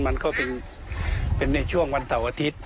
มันก็เป็นในช่วงวันเสาร์อาทิตย์